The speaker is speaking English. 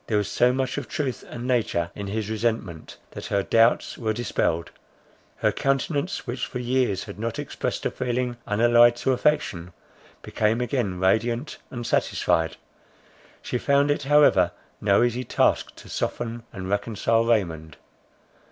There was so much of truth and nature in his resentment, that her doubts were dispelled. Her countenance, which for years had not expressed a feeling unallied to affection, became again radiant and satisfied. She found it however no easy task to soften and reconcile Raymond.